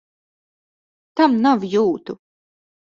Tam nav jūtu!